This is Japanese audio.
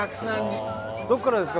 どこからですか？